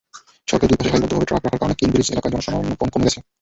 সড়কের দুই পাশে সারিবদ্ধভাবে ট্রাক রাখার কারণে কিনব্রিজ এলাকায় জনসমাগম কমে গেছে।